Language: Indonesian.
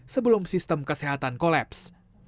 sebelum sistem kesehatan kolaps